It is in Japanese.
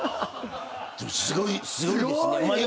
でもすごいですね。